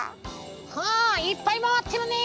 あいっぱいまわってるね。